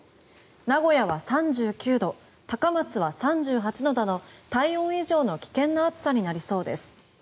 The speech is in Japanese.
名古屋は３９度高松は３８度など体温以上の危険な暑さになりそうです。